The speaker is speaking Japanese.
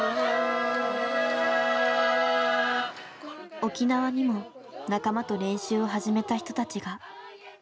沖縄にも仲間と練習を始めた人たちが。